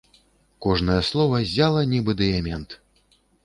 Кожнае слова ззяла, нібы дыямент.